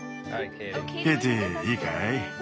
ケイティいいかい？